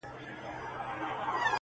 لوستونکي پرې ژور فکر کوي تل,